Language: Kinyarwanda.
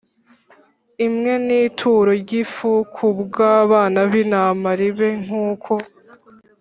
Imwe n ituro ry ifu ku bw abana b intama ribe nk uko